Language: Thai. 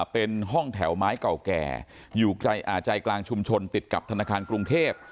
เป็นห้องแถวไม้เก่าแก่อยู่ใจกลางชุมชนติดกับธนาคารกรุงเทพ